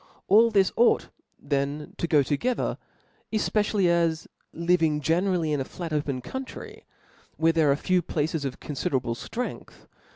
Ali this ought then to go toge ther, efpecially as living generally in a flat opea country, where there are few places of confiderable ftrength